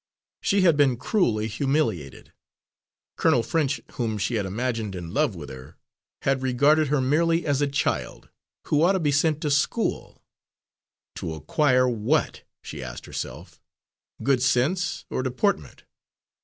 She had been cruelly humiliated. Colonel French, whom she had imagined in love with her, had regarded her merely as a child, who ought to be sent to school to acquire what, she asked herself, good sense or deportment?